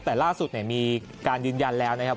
แต่ล่าสุดมีการยืนยันแล้วนะครับ